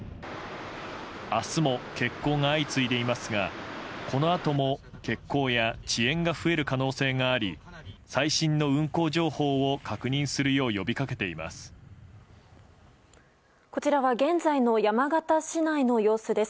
明日も欠航が相次いでいますがこのあとも欠航や遅延が増える可能性があり最新の運航情報を確認するよう呼び掛けています。